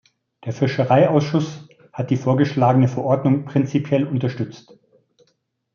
Der Fischereiausschuss hat die vorgeschlagene Verordnung prinzipiell unterstützt.